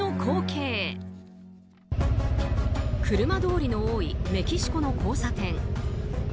車通りの多いメキシコの交差点。